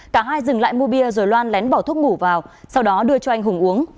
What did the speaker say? cả hai dừng lại mua bia rồi loan lén bỏ thuốc ngủ vào sau đó đưa cho anh hùng uống